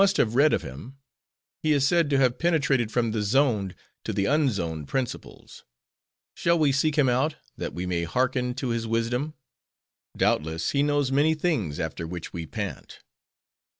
"My lord, you must have read of him. He is said to have penetrated from the zoned, to the unzoned principles. Shall we seek him out, that we may hearken to his wisdom? Doubtless he knows many things, after which we pant."